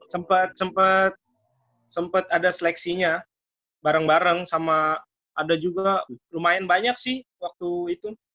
sempat sempat ada seleksinya bareng bareng sama ada juga lumayan banyak sih waktu itu